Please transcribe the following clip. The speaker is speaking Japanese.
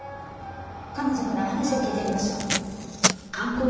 彼女から話を聞いてみましょう。